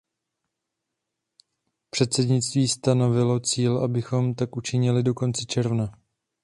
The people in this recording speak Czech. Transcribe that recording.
Předsednictví stanovilo cíl, abychom tak učinili do konce června.